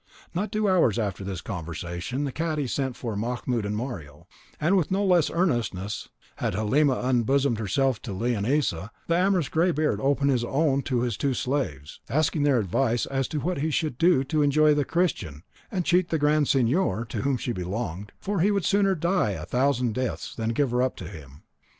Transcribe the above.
Not two hours after this conversation the cadi sent for Mahmoud and Mario, and with no less earnestness than Halima had unbosomed herself to Leonisa, the amorous graybeard opened his own to his two slaves, asking their advice as to what he should do to enjoy the Christian and cheat the Grand Signor, to whom she belonged, for he would sooner die a thousand deaths, than give her up to him.